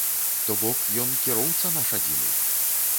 То бок, ён кіроўца наш адзіны.